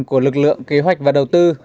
của lực lượng kế hoạch và đầu tư